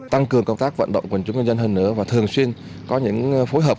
tăng cường công tác vận động của chúng dân hơn nữa và thường xuyên có những phối hợp